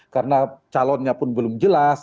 karena calonnya pun belum jelas